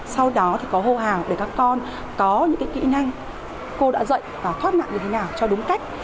sau đó thì có hô hào để các con có những kỹ năng cô đã dạy và thoát nạn như thế nào cho đúng cách